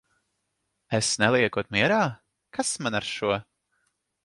Es neliekot mierā? Kas man ar šo!